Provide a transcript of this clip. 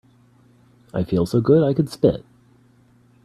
I feel so good I could spit.